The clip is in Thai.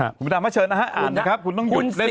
คุณพระดำมาเชิญนะฮะอ่านนะครับคุณต้องหยุดเล่น